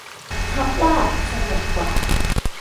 เพราะว่าสะดวกกว่า